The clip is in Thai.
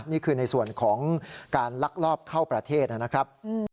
นี่คือในส่วนของการลักลอบเข้าประเทศนะครับ